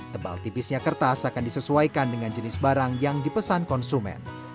tebal tipis nya kertas akan disesuaikan dengan jenis barang yang di pesan konsumen